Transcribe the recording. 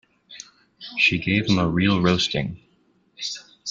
She gave him a real roasting.